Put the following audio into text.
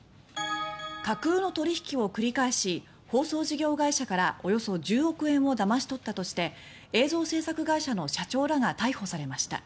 架空の取引を繰り返し放送事業会社からおよそ１０億円をだまし取ったとして映像制作会社の社長らが逮捕されました。